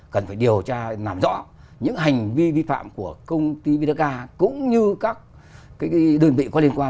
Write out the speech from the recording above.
cần phải điều tra làm rõ những hành vi vi phạm của công ty vinaca cũng như các đơn vị có liên quan